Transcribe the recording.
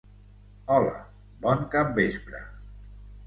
Hola, bon capvespre!